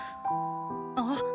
あっ！